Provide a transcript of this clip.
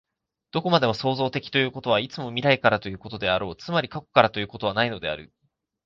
どこまでも創造的ということは、いつも未来からということであろう、つまり過去からということはないのである。